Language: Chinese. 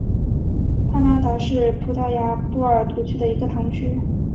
帕拉达是葡萄牙波尔图区的一个堂区。